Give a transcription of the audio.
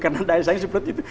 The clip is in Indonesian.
karena daya saing seperti itu